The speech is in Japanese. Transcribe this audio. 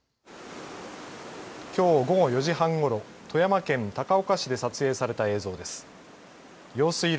きょう午後４時半ごろ富山県高岡市で撮影された映像です。